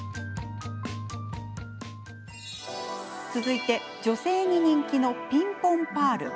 続いて、女性に人気のピンポンパール。